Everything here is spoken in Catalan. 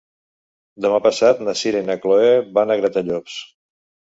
Demà passat na Sira i na Chloé van a Gratallops.